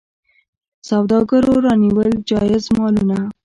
سوداګرو رانیول جایز مالونه.